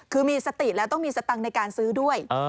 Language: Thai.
คือมีสติแล้วต้องมีสตังค์ในการซื้อด้วย